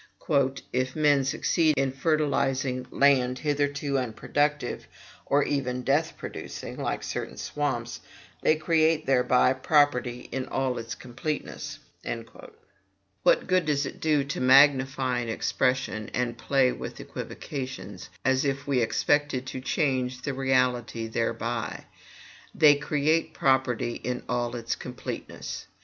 "If men succeed in fertilizing land hitherto unproductive, or even death producing, like certain swamps, they create thereby property in all its completeness." What good does it do to magnify an expression, and play with equivocations, as if we expected to change the reality thereby? THEY CREATE PROPERTY IN ALL ITS COMPLETENESS.